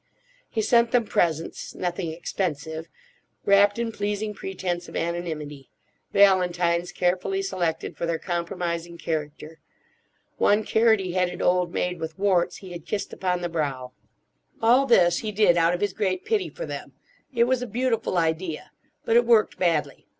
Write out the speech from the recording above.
He sent them presents—nothing expensive—wrapped in pleasing pretence of anonymity; valentines carefully selected for their compromising character. One carroty headed old maid with warts he had kissed upon the brow. All this he did out of his great pity for them. It was a beautiful idea, but it worked badly.